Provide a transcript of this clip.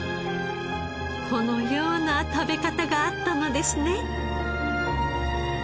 このような食べ方があったのですね。